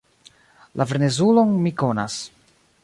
La frenezulon mi konas.